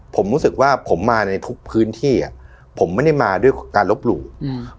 ผมรู้สึกว่าผมมาในทุกพื้นที่อ่ะผมไม่ได้มาด้วยการลบหลู่อืม